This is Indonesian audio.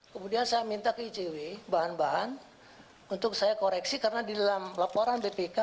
kemudian saya minta ke icw bahan bahan untuk saya koreksi karena di dalam laporan bpk